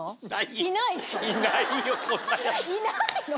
いないの？